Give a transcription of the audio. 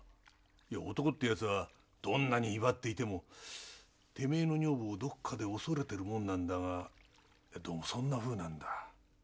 いや男って奴はどんなに威張っていてもてめえの女房をどこかで恐れてるもんなんだがどうもそんなふうなんだ。